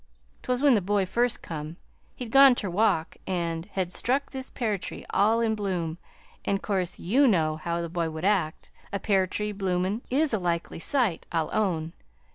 "'T was when the boy first come. He'd gone ter walk an' had struck this pear tree, all in bloom, an' 'course, YOU know how the boy would act a pear tree, bloomin', is a likely sight, I'll own.